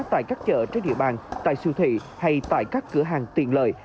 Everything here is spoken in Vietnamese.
tại các chợ trên địa bàn tại siêu thị hay tại các cửa hàng tiện lợi